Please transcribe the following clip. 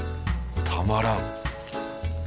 たまらん